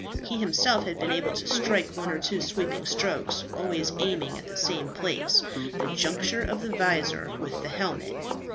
He himself had been enabled to strike one or two sweeping strokes, always aiming at the same place, the juncture of the visor with the helmet.